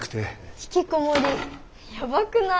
ひきこもりやばくない？